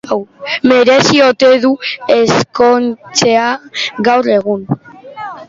Merezi ote du ezkontzea gaur egun?